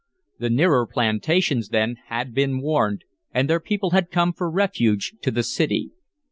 The nearer plantations, then, had been warned, and their people had come for refuge to the city.